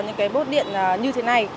những cái bốt điện như thế này